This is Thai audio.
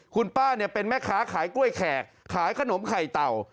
คุณป้าเนี่ยเป็นแม่ค้าขายกล้วยแขกขายขนมไข่เต่า